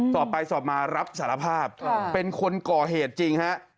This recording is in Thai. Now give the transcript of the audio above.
สอบไปสอบมารับสารภาพเป็นคนก่อเหตุจริงฮะ